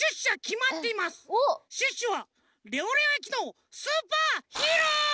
シュッシュは「レオレオえきのスーパーヒーロー」！